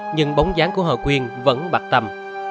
nhưng bóng dáng của hợp quyền vẫn bạc tâm